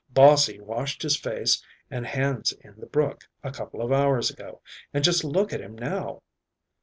Bossie washed his face and hands in the brook a couple of hours ago and just look at him now."